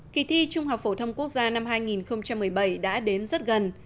kỳ thi trung học phổ thông quốc gia năm hai nghìn một mươi bảy đã đến rất gần